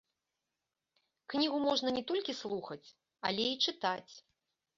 Кнігу можна не толькі слухаць, але і чытаць.